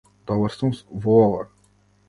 Добар сум во ова.